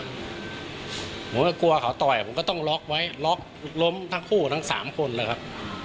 ผมก็กลัวเขาต่อยผมก็ต้องล็อกไว้ล็อกล้มทั้งคู่ทั้ง๓คนเลยครับ